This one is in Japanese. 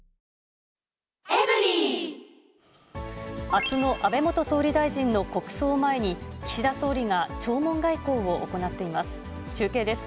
あすの安倍元総理大臣の国葬を前に、岸田総理が弔問外交を行っています。